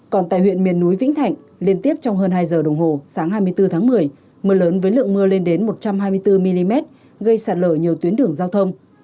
còn tại huyện miền núi vĩnh thạnh liên tiếp trong hơn hai giờ đồng hồ sáng hai mươi bốn tháng một mươi mưa lớn với lượng mưa lên đến một trăm hai mươi bốn mm gây sạt lở nhiều tuyến đường giao thông